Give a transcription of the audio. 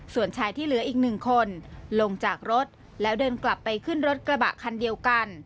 ส่วนชายที่เหลืออีกหนึ่งคนลงจากรถแล้วเดินกลับไปขึ้นรถกระบะคันเดียวกัน